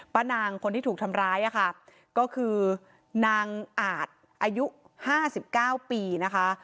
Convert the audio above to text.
นางคนที่ถูกทำร้ายค่ะก็คือนางอาจอายุ๕๙ปีนะคะ